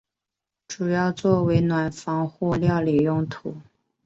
主要作为暖房或料理用途。